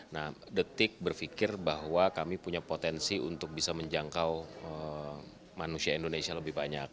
nah detik berpikir bahwa kami punya potensi untuk bisa menjangkau manusia indonesia lebih banyak